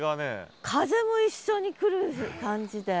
風も一緒に来る感じで。